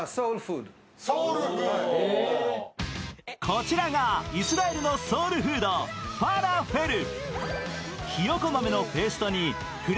こちらがイスラエルのソウルフード、ファラフェル。